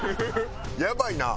やばいな。